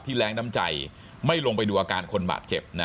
แรงน้ำใจไม่ลงไปดูอาการคนบาดเจ็บนะ